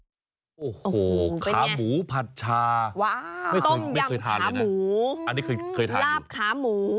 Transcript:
โอ้โหขาหมูผัดชาต้มยำขาหมูลาบขาหมู